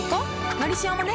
「のりしお」もね